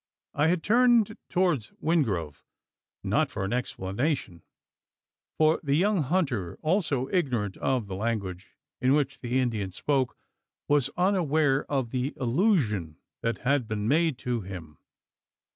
I had turned towards Wingrove not for an explanation: for the young hunter, also ignorant of the language in which the Indian spoke, was unaware of the allusion that had been made to him.